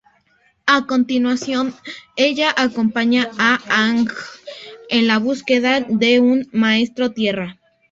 A continuación, ella acompaña a Aang en la búsqueda de un maestro tierra.